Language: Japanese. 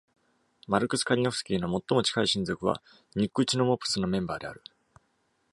「マルクス・カリノフスキー」の最も近い親族は「ニックチノモプス」のメンバーである。